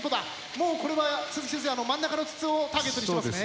もうこれは鈴木先生真ん中の筒をターゲットにしてますね。